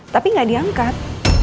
tapi gak diangkat